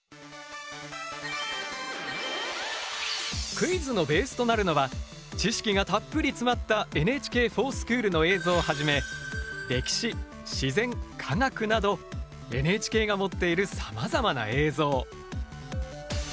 クイズのベースとなるのは知識がたっぷり詰まったＮＨＫｆｏｒＳｃｈｏｏｌの映像をはじめ歴史自然科学などＮＨＫが持っているさまざまな映像。